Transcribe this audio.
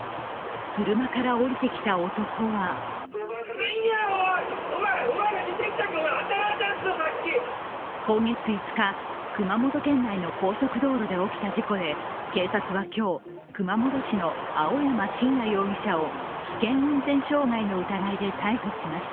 車から降りてきた男は今月５日、熊本県内の高速道路で起きた事故で警察は今日、熊本市の青山真也容疑者を危険運転傷害の疑いで逮捕しました。